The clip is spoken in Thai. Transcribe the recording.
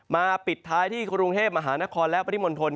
มาปิดท้ายที่กรุงเทพฯมหานครและปฏิมนธนฯ